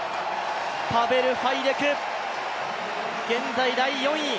パベル・ファイデク現在第４位。